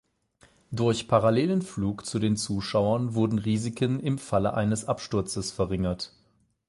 Durch parallelen Flug zu den Zuschauern wurden Risiken im Falle eines Absturzes verringert.